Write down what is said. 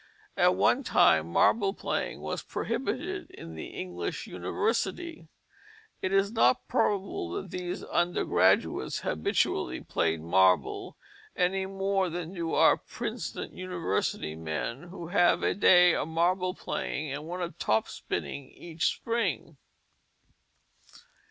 At one time marble playing was prohibited in the English universities. It is not probable that those undergraduates habitually played marble any more than do our Princeton University men, who have a day of marble playing and one of top spinning each spring.